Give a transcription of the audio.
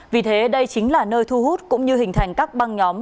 vì thế đây chính là nơi thu hút cũng như hình thành các băng nhóm